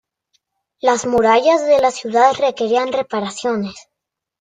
Las murallas de la ciudad requerían reparaciones.